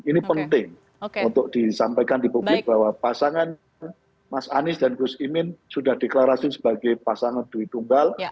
ini penting untuk disampaikan di publik bahwa pasangan mas anies dan gus imin sudah deklarasi sebagai pasangan duit tunggal